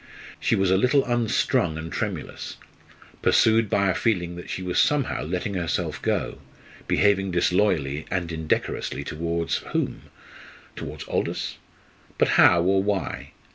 She was a little unstrung and tremulous, pursued by a feeling that she was somehow letting herself go, behaving disloyally and indecorously towards whom? towards Aldous? But how, or why?